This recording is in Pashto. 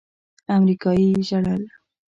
امريکايي ژړل.